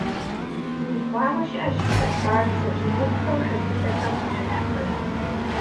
Зыубгъуауэ щыӀэщ шэдгуарцэ щӀыгулъхэу шэдылъэхэм къыщыхъухэр.